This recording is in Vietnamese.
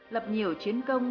lập nhiều chiến công